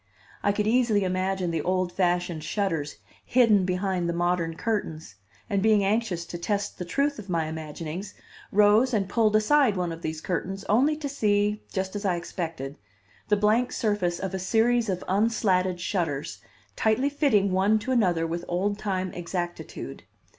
I could easily imagine the old fashioned shutters hidden behind the modern curtains, and, being anxious to test the truth of my imaginings, rose and pulled aside one of these curtains only to see, just as I expected, the blank surface of a series of unslatted shutters, tightly fitting one to another with old time exactitude.